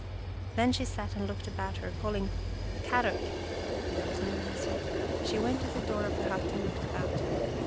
Then she sat and looked about her, call ing " Kadok! " but there was no answer. She went to the door of the hut and looked about.